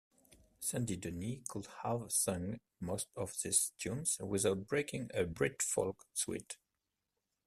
Sandy Denny could have sung most of these tunes without breaking a Brit-folk sweat.